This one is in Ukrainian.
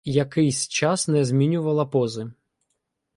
Якийсь час не змінювала пози.